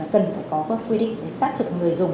cần phải có quy định xác thực người dùng